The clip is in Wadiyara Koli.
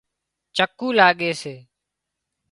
چڪُولاڳي سي